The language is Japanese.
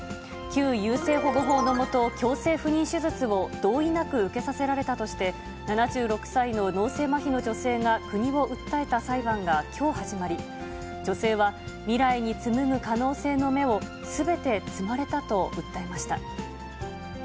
旧優生保護法の下、強制不妊手術を同意なく受けさせられたとして、７６歳の脳性まひの女性が国を訴えた裁判が、きょう始まり、女性は未来に紡ぐ可能性の芽をすべて摘まれたと訴えました。